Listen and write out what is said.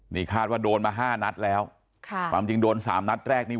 นี่คาดว่าโดนมาห้านัดแล้วค่ะความจริงโดนสามนัดแรกนี่